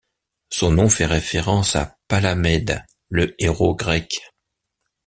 Son nom fait référence à Palamède, le héros grec.